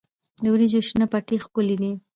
د وریجو شنه پټي ښکلي دي.